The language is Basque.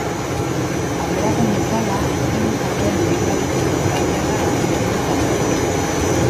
Aurrerapen bezala, film horren lehendabiziko trailerra aurkeztu du taldeak.